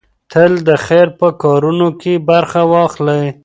تل د خير په کارونو کې برخه واخلئ.